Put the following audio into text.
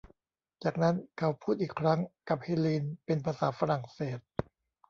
จากนั้นเขาพูดอีกครั้งกับเฮลีนเป็นภาษาฝรั่งเศส